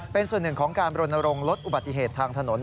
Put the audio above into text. เป็นส่วนหนึ่งของการบรณรงคลดอุบัติเหตุทางถนน